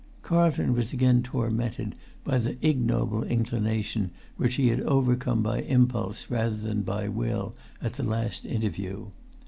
Carlton was again tormented by the ignoble inclination which he had overcome by impulse rather than by will at the last interview.